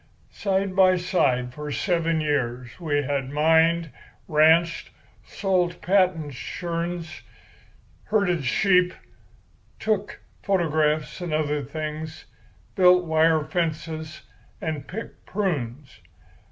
Side by side for seven years we had mined, ranched, sold patent churns, herded sheep, took photographs and other things, built wire fences, and picked prunes.